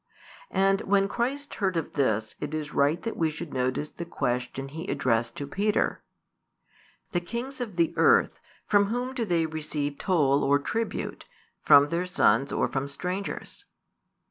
And when Christ heard of this, it is right that we should notice the question He addressed to Peter: The kings of the earth, from whom do they receive toll or tribute? from their sons or from strangers?